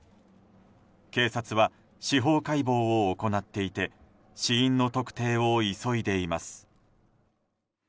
警察は司法解剖を行っていて死因の特定を急いでいます。